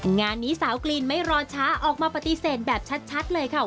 งานนี้สาวกรีนไม่รอช้าออกมาปฏิเสธแบบชัดเลยค่ะ